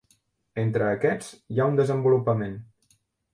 Entre aquests, hi ha un desenvolupament.